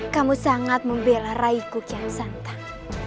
kamu sangat membela raiku kiyan santan